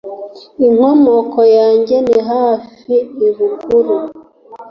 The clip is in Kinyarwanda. Inkomoko yange nihafi I Buguru.